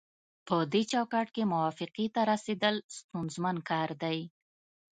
پدې چوکاټ کې موافقې ته رسیدل ستونزمن کار دی